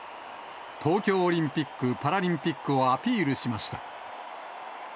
東京オリンピック・パラリンピックをアピールしました。